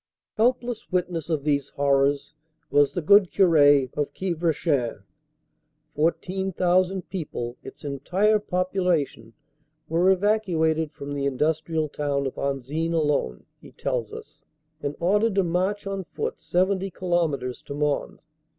Helpless witness of these horrors was the good Cure of Quievrechain. Fourteen thousand people, its entire popula tion, were evacuated from the industrial town of Anzin alone, he tells us, and ordered to march on foot seventy kilometres to Mons.